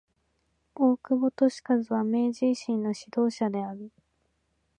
大久保利通は明治維新の指導者である。